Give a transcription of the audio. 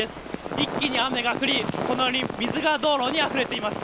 一気に雨が降り、このように水が道路にあふれています。